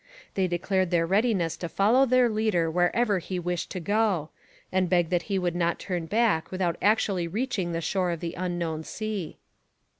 They declared their readiness to follow their leader wherever he wished to go, and begged that he would not turn back without actually reaching the shore of the unknown sea.